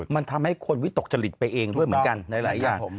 มันทำให้คนวิตกจริตไปเองด้วยเหมือนกันในหลายอย่าง